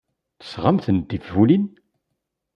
Tesɣamt-d tinfulin?